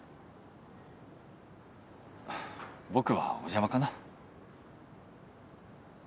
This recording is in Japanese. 僕はお邪魔かな？